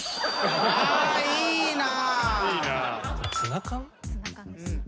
あいいな！